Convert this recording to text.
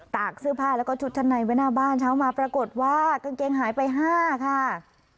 กเสื้อผ้าแล้วก็ชุดชั้นในไว้หน้าบ้านเช้ามาปรากฏว่ากางเกงหายไป๕ค่ะ